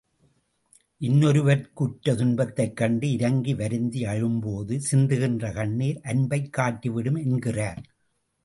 இன்னொருவர்க்கு உற்ற துன்பத்தைக்கண்டு, இரங்கி வருந்தி அழும்போது சிந்துகின்ற கண்ணீர் அன்பைக் காட்டிவிடும் என்கிறார்.